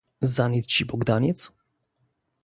"Za nic ci Bogdaniec?"